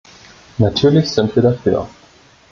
Natürlich sind wir dafür.